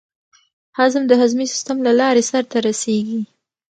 هضم د هضمي سیستم له لارې سر ته رسېږي.